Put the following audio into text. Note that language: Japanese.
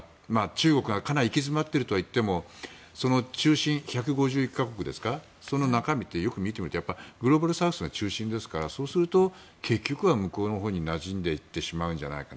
中国がかなり行き詰まっているとはいってもその中心１５１か国ですかその中身を見てみるとグローバルサウスが中心ですからそうすると結局は向こうのほうになじんでいくんじゃないか。